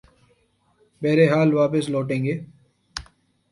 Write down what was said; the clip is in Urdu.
بہرحال واپس لوٹیں گے۔